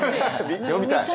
読みたい。